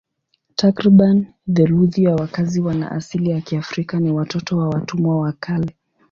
Takriban theluthi ya wakazi wana asili ya Kiafrika ni watoto wa watumwa wa kale.